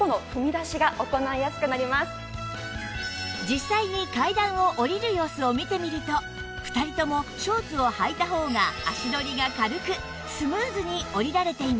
実際に階段を下りる様子を見てみると２人ともショーツをはいた方が足取りが軽くスムーズに下りられています